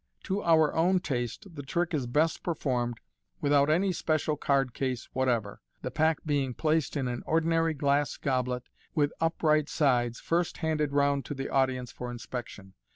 To our own taste, the trick is best performed without any special card case what ever, the pack being placed in an ordinary glass goblet with upright sides, first handed round to the audience for inspection.